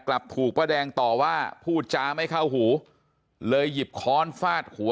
กลับถูกป้าแดงต่อว่าพูดจาไม่เข้าหูเลยหยิบค้อนฟาดหัว